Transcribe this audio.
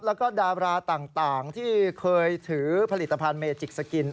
แล้วก็ดาราต่างที่เคยถือผลิตภัณฑ์เมจิกสกิน